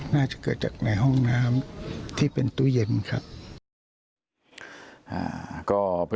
น่าจะเกิดจากในห้องน้ำที่เป็นตู้เย็นครับ